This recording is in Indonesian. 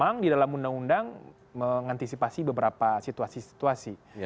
memang di dalam undang undang mengantisipasi beberapa situasi situasi